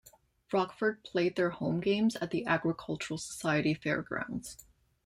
Rockford played their home games at the Agricultural Society Fair Grounds.